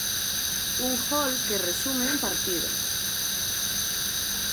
Un gol que resume un partido.